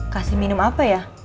kasih minum apa ya